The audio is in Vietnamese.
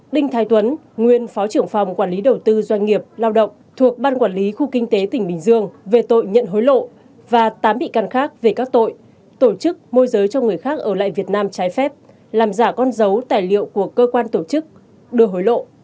đinh thái tuấn nguyên phó trưởng phòng quản lý đầu tư doanh nghiệp lao động thuộc ban quản lý khu kinh tế tỉnh bình dương về tội nhận hối lộ và tám bị can khác về các tội tổ chức môi giới cho người khác ở lại việt nam trái phép làm giả con dấu tài liệu của cơ quan tổ chức đưa hối lộ